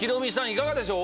いかがでしょう？